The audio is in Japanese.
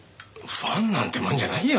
ファンなんてもんじゃないよ！